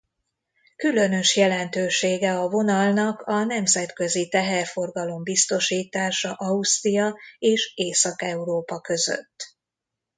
Különös jelentősége a vonalnak a nemzetközi teherforgalom biztosítása Ausztria és Észak-Európa között.